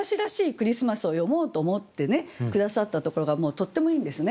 クリスマスを詠もうと思って下さったところがもうとってもいいんですね。